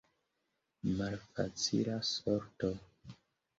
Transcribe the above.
Malfacila sorto.